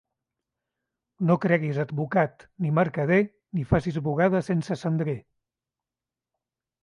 No creguis advocat ni mercader, ni facis bugada sense cendrer.